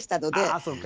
あそっか。